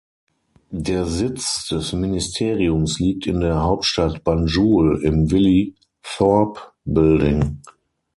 Der Sitz des Ministeriums liegt in der Hauptstadt Banjul im Willy-Thorpe-Building.